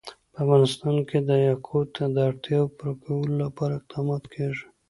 په افغانستان کې د یاقوت د اړتیاوو پوره کولو لپاره اقدامات کېږي.